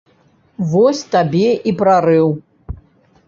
Вось табе і прарыў!